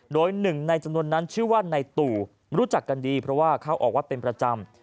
โดยหนึ่งในจำนวนนั้นชื่อว่าในตู่รู้จักกันดีเพราะว่าเข้าออกวัดเป็นประจำ